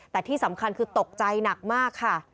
แต่ที่สำคัญคือตกใจหนักมากค่ะ